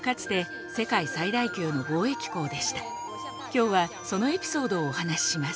きょうはそのエピソードをお話しします。